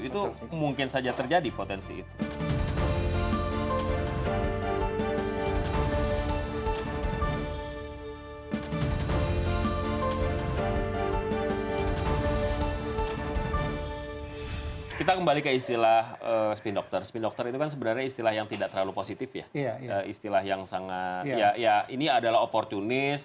itu mungkin saja terjadi potensi itu